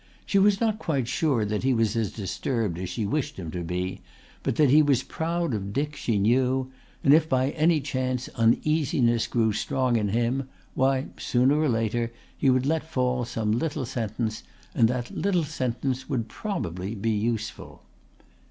She was not quite sure that he was as disturbed as she wished him to be, but that he was proud of Dick she knew, and if by any chance uneasiness grew strong in him, why, sooner or later he would let fall some little sentence; and that little sentence would probably be useful.